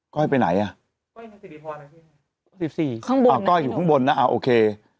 ก้อยไปไหนอ่ะก้อยอยู่ข้างบนนะโอเค